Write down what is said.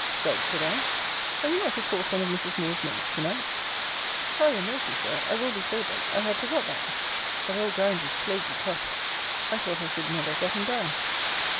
Dog! said I, are you not to court one of Mrs. Moore's maids to night? Cry your mercy, Sir! I will be sober. I had forgot that but old Grimes is plaguy tough, I thought I should never have got him down.